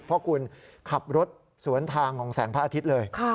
เพราะคุณขับรถสวนทางของแสงพระอาทิตย์เลย